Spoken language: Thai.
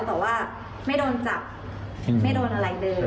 แต่ว่าไม่โดนจับไม่โดนอะไรเลย